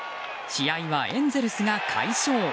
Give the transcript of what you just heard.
試合はエンゼルスが快勝。